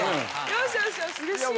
よしよしよしうれしいな。